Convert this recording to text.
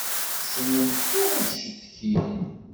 Ssnen kan ad ccetkin.